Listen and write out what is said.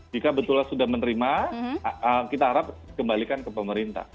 jika betulnya sudah menerima kita harap kembalikan ke pemerintah